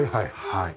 はい。